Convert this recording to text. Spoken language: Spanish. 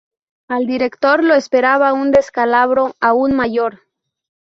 Al director lo esperaba un descalabro aún mayor.